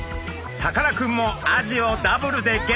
さかなクンもアジをダブルでゲット。